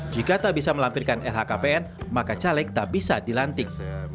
jika tak bisa melampirkan lhkpn maka caleg tak bisa dilantik